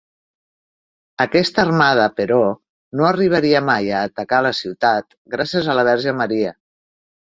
Aquesta armada però, no arribaria mai a atacar la ciutat, gràcies a la Verge Maria.